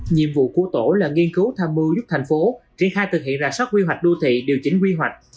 nhiệm vụ của tổ là nghiên cứu tham mưu giúp thành phố triển khai thực hiện rà soát quy hoạch đô thị điều chỉnh quy hoạch